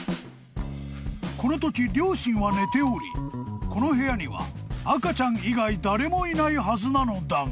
［このとき両親は寝ておりこの部屋には赤ちゃん以外誰もいないはずなのだが］